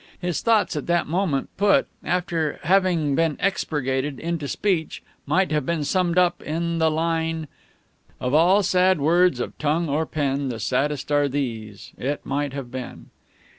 His thoughts at that moment, put, after having been expurgated, into speech, might have been summed up in the line: "Of all sad words of tongue or pen the saddest are these, 'It might have been'!"